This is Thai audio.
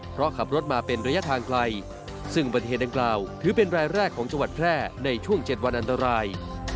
เพราะขับรถมาเป็นระยะทางไกลซึ่งปฏิเหตุดังกล่าวถือเป็นรายแรกของจังหวัดแพร่ในช่วง๗วันอันตราย